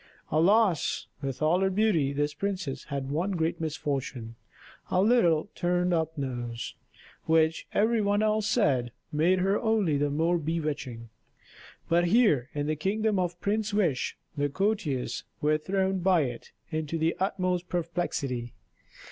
Alas! with all her beauty, this princess had one great misfortune, a little turned up nose, which, every one else said, made her only the more bewitching. But here, in the kingdom of Prince Wish, the courtiers were thrown by it into the utmost perplexity.